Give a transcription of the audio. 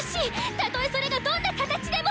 たとえそれがどんなカタチでも！